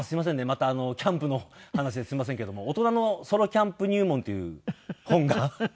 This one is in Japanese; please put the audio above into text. またキャンプの話ですみませんけども『大人のソロキャンプ入門』という本が。